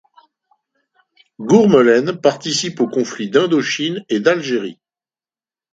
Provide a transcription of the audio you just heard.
Gourmelen participe aux conflits d'Indochine et d'Algérie.